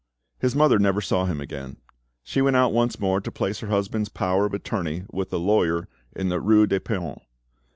His mother never saw him again. She went out once more to place her husband's power of attorney with a lawyer in the rue de Paon.